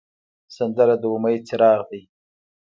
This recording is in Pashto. سندره د امید څراغ دی